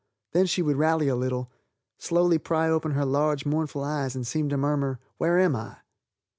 Then she would rally a little, slowly pry open her large, mournful eyes, and seem to murmur "Where am I?"